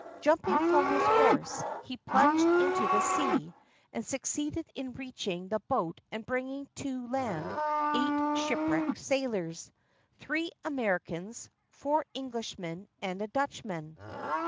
Jumping from his horse, he plunged into the sea, and succeeded in reaching the boat and bringing to land eight shipwrecked sailors — three Americans, four Englishmen, and a Dutchman.